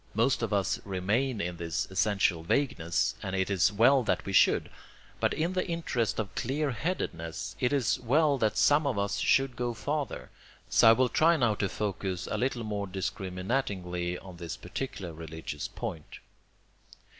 Most of us remain in this essential vagueness, and it is well that we should; but in the interest of clear headedness it is well that some of us should go farther, so I will try now to focus a little more discriminatingly on this particular religious point.